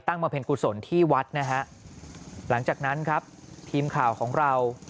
มาเพ็ญกุศลที่วัดนะฮะหลังจากนั้นครับทีมข่าวของเรา